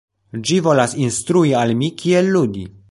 Ĝi volas instrui al mi kiel ludi